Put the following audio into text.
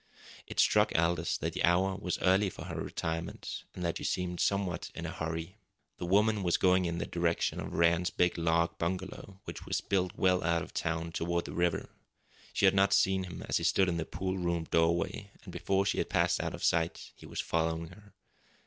It struck Aldous that the hour was early for her retirement, and that she seemed somewhat in a hurry. The woman was going in the direction of Rann's big log bungalow, which was built well out of town toward the river. She had not seen him as he stood in the pool room doorway, and before she had passed out of sight he was following her.